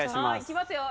いきますよ！